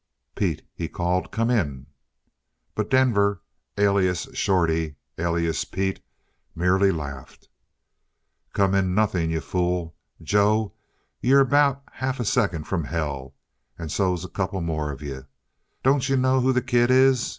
"Pete!" he called. "Come in!" But Denver, alias Shorty, alias Pete, merely laughed. "Come in nothing, you fool! Joe, you're about half a second from hell, and so's a couple more of you. D'you know who the kid is?